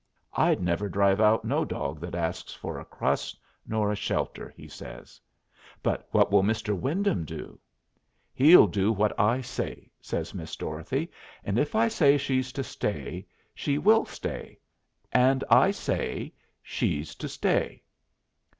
I'd never drive out no dog that asks for a crust nor a shelter," he says. "But what will Mr. Wyndham do?" "He'll do what I say," says Miss Dorothy, "and if I say she's to stay, she will stay, and I say she's to stay!"